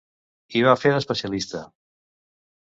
Hi va fer d'especialista.